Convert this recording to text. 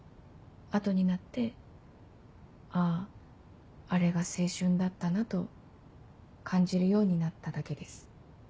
後になって「あぁあれが青春だったな」と感じるようになっただけです。